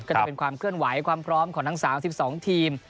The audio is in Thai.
ก็จะเป็นความเคลื่อนไหวความพร้อมของทั้ง๓๒ทีม